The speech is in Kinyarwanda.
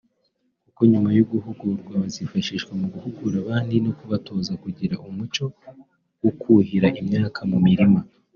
kuko nyuma yo guhugurwa bazifashishwa mu guhugura abandi no kubatoza kugira umuco wo kuhira imyaka mu mirima